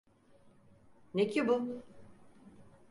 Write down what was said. Ne ki bu?